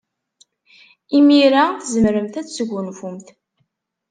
Imir-a, tzemremt ad tesgunfumt.